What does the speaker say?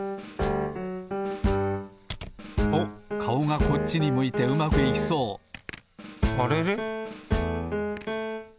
おっかおがこっちに向いてうまくいきそうあれれ？